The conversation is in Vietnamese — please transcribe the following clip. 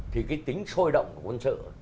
thì cái tính sôi động của quân sự